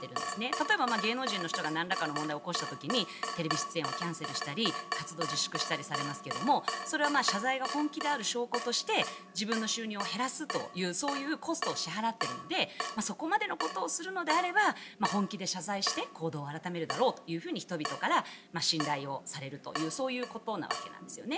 例えば芸能人の人がなんらかの問題を起こした時にテレビ出演をキャンセルしたり活動を自粛したりされますがそれは謝罪が本気である証拠として自分の収入を減らすというコストを支払っているのでそこまでのことをするのであれば本気で謝罪して行動を改めるだろうと人々から信頼されるということなわけですよね。